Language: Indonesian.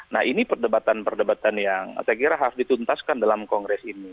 nah ini perdebatan perdebatan yang saya kira harus dituntaskan dalam kongres ini